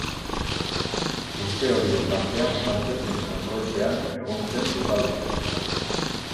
Urte horien tartean frantsesen kontrolpean egon zen lurralde hau.